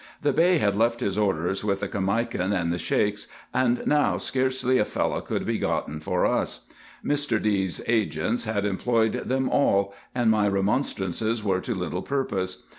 The Bey had left his orders with the Caimakan and the Sheiks, and now scarcely a Fellah could be gotten for us. Air. D.*s agents had employed them all, and my remonstrances were to little purpose.